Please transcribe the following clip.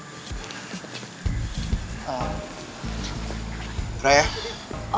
udah deh gak usah muji muji apa kayak gitu segala